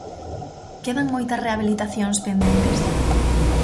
Quedan moitas rehabilitacións pendentes?